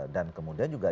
dan kemudian juga